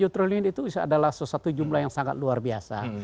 tujuh triliun itu adalah sesuatu jumlah yang sangat luar biasa